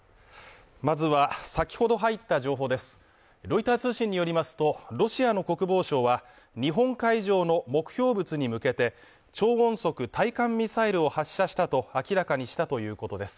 まずは、先ほど入った情報ですロイター通信によりますと、ロシアの国防省は日本海上の目標物に向けて超音速対艦ミサイルを発射したと明らかにしたということです。